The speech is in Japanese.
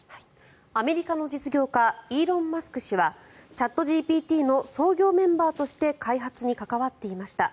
アメリカの実業家イーロン・マスク氏はチャットＧＰＴの創業メンバーとして開発に関わっていました。